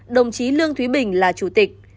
đồng chí lương thúy bình là chủ tịch